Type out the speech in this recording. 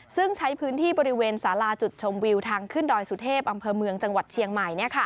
ซึ่งใช้พื้นที่บริเวณสาราจุดชมวิวทางขึ้นดอยสุเทพอำเภอเมืองจังหวัดเชียงใหม่